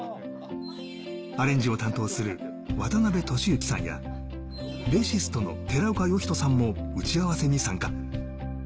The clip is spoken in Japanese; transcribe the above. アレンジを担当する渡辺俊幸さんやベーシストの寺岡呼人さんも打ち合わせに参加。